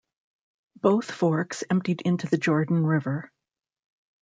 Both forks emptied into the Jordan River.